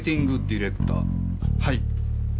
はい。